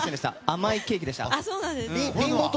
甘いケーキでした。